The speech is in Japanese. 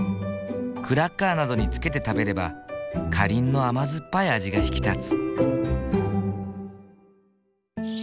クラッカーなどに付けて食べればカリンの甘酸っぱい味が引き立つ。